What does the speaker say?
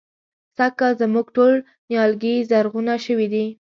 سږکال زموږ ټول نيالګي زرغونه شوي دي.